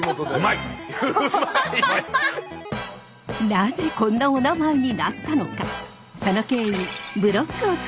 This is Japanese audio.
なぜこんなおなまえになったのか？